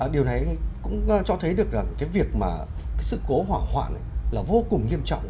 điều này cũng cho thấy được rằng cái việc mà cái sự cố hỏa hoạn là vô cùng nghiêm trọng